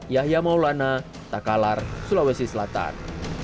yahya maulana takalar sulawesi selatan